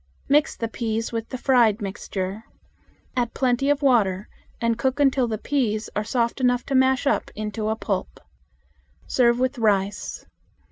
Mix the peas with the fried mixture. Add plenty of water and cook until the peas are soft enough to mash up into a pulp. Serve with rice.